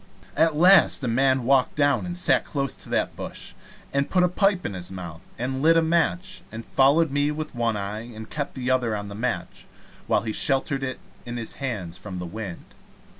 At last a man walked down and sat down close to that bush, and put a pipe in his mouth, and lit a match, and followed me with one eye and kept the other on the match, while he sheltered it in his hands from the wind.